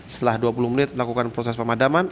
setelah dua puluh menit melakukan proses pemadaman